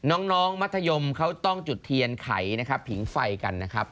น้องมัธยมเขาต้องจุดเทียนไขนะครับผิงไฟกันนะครับ